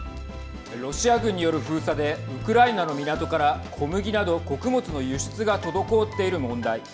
ロシア軍による封鎖でウクライナの港から小麦など穀物の輸出が滞っている問題。